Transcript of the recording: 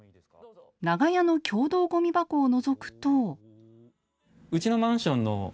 長屋の共同ごみ箱をのぞくと。